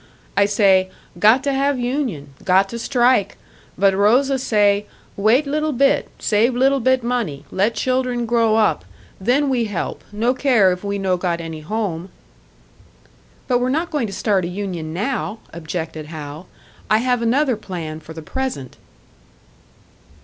I say, 'Got to have union. Got to strike!' But Rosa say, 'Wait little bit. Save little bit money, let children grow up. Then we help, no care if we no got any home.'" "But we're not going to start a union now!" objected Hal. "I have another plan for the present."